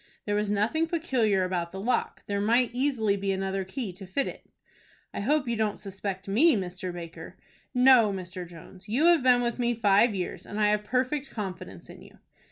"There was nothing peculiar about the lock. There might easily be another key to fit it." "I hope you don't suspect me, Mr. Baker?" "No, Mr. Jones, you have been with me five years, and I have perfect confidence in you."